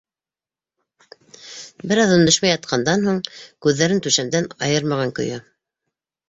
Бер аҙ өндәшмәй ятҡандан һуң, күҙҙәрен түшәмдән айырмаған көйө: